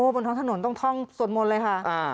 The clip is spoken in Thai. บนท้องถนนต้องท่องสวดมนต์เลยค่ะ